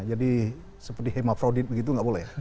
jadi seperti hemoflodin begitu tidak boleh